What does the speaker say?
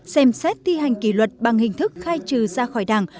xem xét thi hành kỷ luật bằng hình thức khai trừ ra khỏi đảng